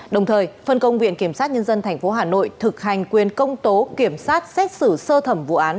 đồng thời phân công viện kiểm sát nhân dân tp hcm thực hành quyền công tố kiểm sát xét xử sơ thẩm vụ án